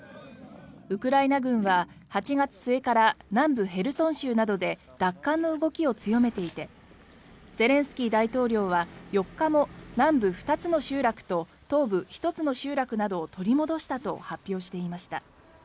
ウクライナ軍は８月末から南部ヘルソン州などで奪還の動きを強めていてゼレンスキー大統領は４日も南部２つの集落と東部１つの集落などを取り戻したと発表していました。